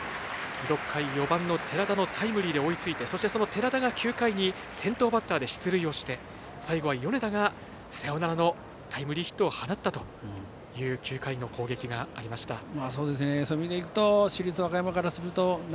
６回、４番の寺田のタイムリーで追いついてそして、その寺田が９回に先頭バッターで出塁して最後は米田がサヨナラのタイムリーヒットを放ったという９回の攻撃がありました。